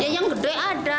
yang gede ada